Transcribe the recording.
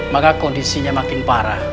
maka kondisinya makin parah